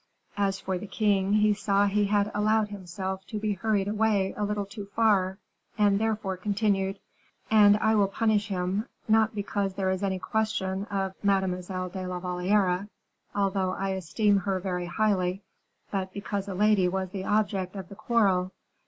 As for the king, he saw he had allowed himself to be hurried away a little too far, and therefore continued: "And I will punish him not because there is any question of Mademoiselle de la Valliere, although I esteem her very highly but because a lady was the object of the quarrel.